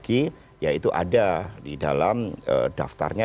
itu ada di dalam daftarnya